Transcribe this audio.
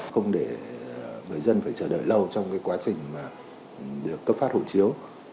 không để người dân phải chờ đợi lâu trong quá trình cấp phát hộ chiếu